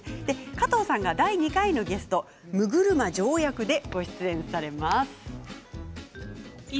加藤さんが第２回のゲスト六車丈役でご出演されます。